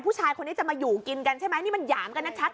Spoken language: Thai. ผู้ชายคนนี้จะมาอยู่กินกันใช่ไหมนี่มันหยามกันชัด